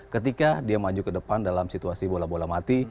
ketika dia maju ke depan dalam situasi bola bola mati